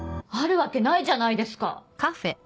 あるわけないじゃないですか。